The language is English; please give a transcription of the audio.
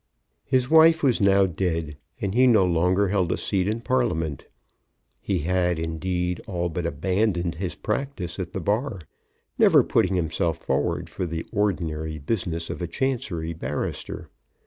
His wife was now dead, and he no longer held a seat in Parliament. He had, indeed, all but abandoned his practice at the Bar, never putting himself forward for the ordinary business of a Chancery barrister.